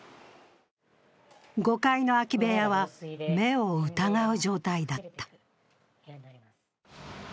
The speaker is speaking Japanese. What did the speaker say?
５階の空き部屋は目を疑う状態だった。